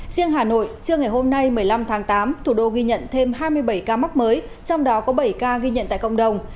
riêng hà nội trưa ngày hôm nay một mươi năm tháng tám thủ đô ghi nhận thêm hai mươi bảy ca mắc mới trong đó có bảy ca ghi nhận tại cộng đồng